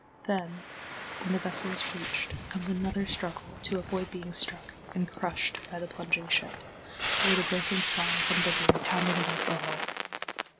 Then, when the vessel is reached, comes another struggle to avoid being struck and crushed by the plunging ship, or the broken spars and rigging pounding about the hull.